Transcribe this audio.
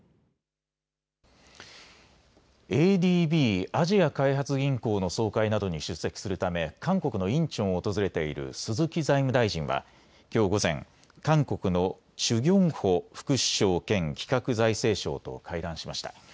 ＡＤＢ・アジア開発銀行の総会などに出席するため韓国のインチョンを訪れている鈴木財務大臣はきょう午前、韓国のチュ・ギョンホ副首相兼企画財政相と会談しました。